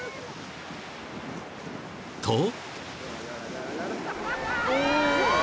［と］